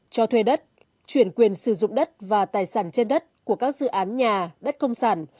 cho thuê đất chuyển quyền sử dụng đất và tài sản trên đất của các dự án nhà đất công sản